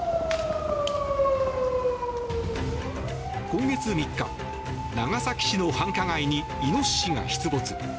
今月３日、長崎市の繁華街にイノシシが出没。